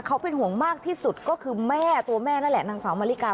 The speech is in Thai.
เขาเป็นห่วงมากที่สุดก็คือแม่ตัวแม่นั่นแหละนางสาวมาริกา